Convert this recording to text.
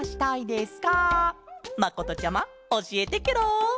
まことちゃまおしえてケロ！